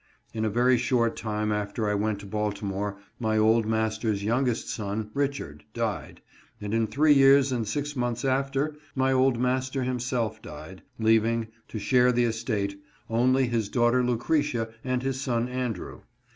In a very short time after I went to Baltimore my old master's youngest son, Richard, died ; and in three years and six months after, my old master himself died, leaving, to share the estate, only his daughter Lucretia and his son Andrew.